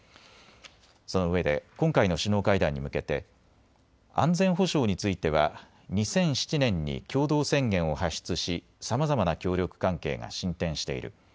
そのうえで今回の首脳会談に向けて安全保障については２００７年に共同宣言を発出し、さまざまな協力関係が進展している。